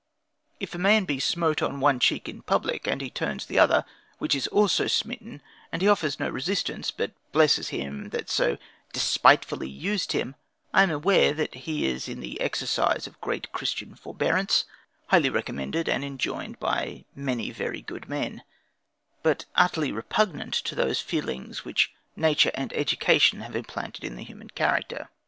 If a man be smote on one cheek in public, and he turns the other, which is also smitten, and he offers no resistance, but blesses him that so despitefully used him, I am aware that he is in the exercise of great Christian forbearance, highly recommended and enjoined by many very good men, but utterly repugnant to those feelings which nature and education have implanted in the human character.